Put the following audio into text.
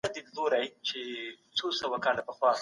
که سوداګري پراخه نه سي، ګټه نه زياتېږي.